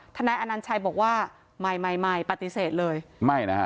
นายอนัญชัยบอกว่าไม่ใหม่ไม่ใหม่ปฏิเสธเลยไม่นะฮะ